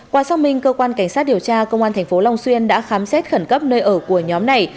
qua xác minh cơ quan cảnh sát điều tra công an tp long xuyên đã khám xét khẩn cấp nơi ở của nhóm này